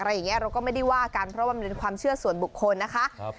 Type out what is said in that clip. อย่างนี้เราก็ไม่ได้ว่ากันเพราะว่ามันเป็นความเชื่อส่วนบุคคลนะคะ